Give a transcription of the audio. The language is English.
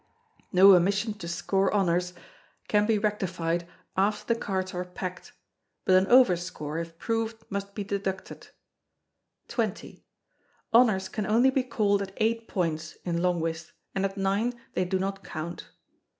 [No omission to score honours can be rectified after the cards are packed; but an overscore, if proved, must be deducted.] xx. Honours can only be called at eight points (in Long Whist), and at nine they do not count.